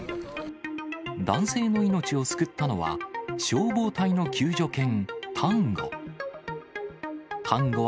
男性の命を救ったのは、消防隊の救助犬、タンゴ。